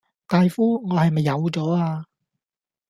大夫，我係咪有左呀